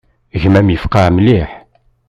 Gma-m yefqeɛ mliḥ.